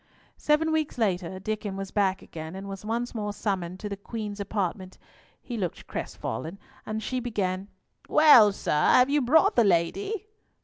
Seven weeks later, Diccon was back again, and was once more summoned to the Queen's apartment. He looked crestfallen, and she began,— "Well, sir? Have you brought the lady?"